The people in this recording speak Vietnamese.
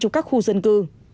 trong các khu dân cư